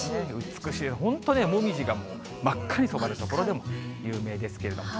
美しい、本当にもみじがもう、真っ赤に染まる所でも有名ですけど。